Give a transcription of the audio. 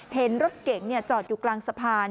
เห็นรถเก๋งจอดอยู่กลางสะพาน